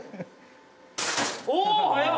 お！